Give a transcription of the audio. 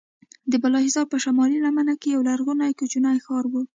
د بالاحصار په شمالي لمنه کې یو لرغونی کوچنی ښار و.